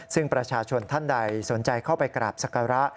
ซึ่งประชาชนท่านใดสนใจเข้าไปกราบศักระ